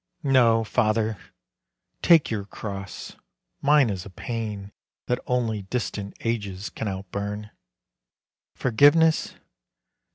No, Father, take your cross, mine is a pain That only distant ages can out burn. Forgiveness!